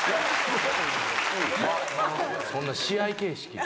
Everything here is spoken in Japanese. ・そんな試合形式